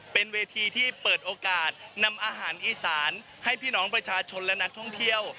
เป็นเวทีที่เปิดโอกาสนำอาหารอีสานให้พี่น้องประชาชนและนักท่องเที่ยว